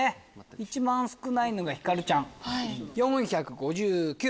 一番少ないのがひかるちゃん４５９。